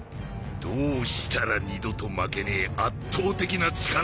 どうしたら二度と負けねえ圧倒的な力を得られるか。